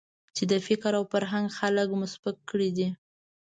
چې د فکر او فرهنګ خلک مو سپک کړي دي.